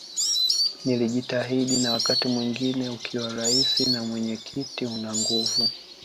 Nilijitahidi na wakati mwingine ukiwa Rais na mwenyekiti una nguvu